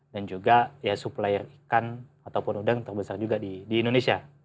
dan juga ya supplier ikan ataupun udang terbesar juga di indonesia